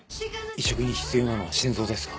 移植に必要なのは心臓ですか？